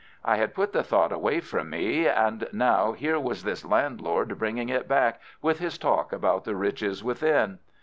I had put the thought away from me, and now here was this landlord bringing it back with his talk about the riches within.